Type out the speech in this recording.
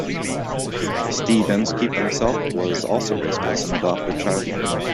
Steve Inskeep himself was also raised as an adopted child.